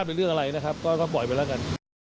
โดยอีกเรื่องอะไรนะครับก็บ่อยไปแล้วกัน